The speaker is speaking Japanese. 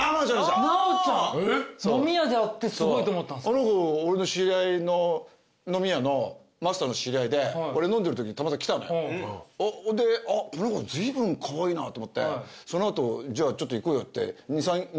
あの子俺の知り合いの飲み屋のマスターの知り合いで俺飲んでるときにたまたま来たのよ。と思ってその後じゃあちょっと行こうよって。